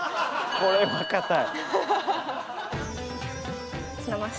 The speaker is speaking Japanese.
これは硬い。